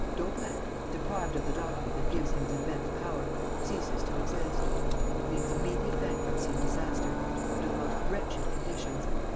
Daubrecq, deprived of the document that gives him his immense power, ceases to exist. It means immediate bankruptcy and disaster ... under the most wretched conditions.